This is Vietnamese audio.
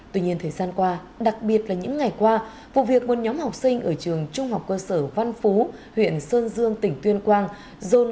tuy nhiên thời gian qua đặc biệt là những ngày qua vụ việc một nhóm học sinh ở trường trung học cơ sở văn phú huyện sơn dương tỉnh tuyên quang